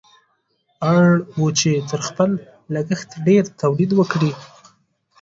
اړ وو چې تر خپل لګښت ډېر تولید وکړي.